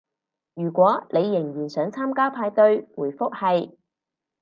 如果你仍然想參與派對，回覆係